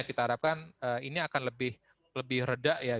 kita harapkan ini akan lebih reda ya